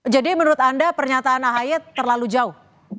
jadi menurut anda pernyataan hay terlalu jauh